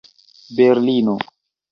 berlino